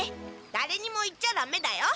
だれにも言っちゃダメだよ。